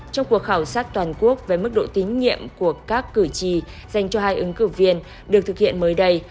trong cuộc khảo sát toàn quốc về mức độ tín nhiệm của các cử tri dành cho hai ứng cử viên được thực hiện mới đây